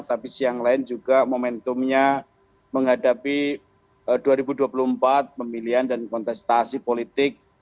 tapi siang lain juga momentumnya menghadapi dua ribu dua puluh empat pemilihan dan kontestasi politik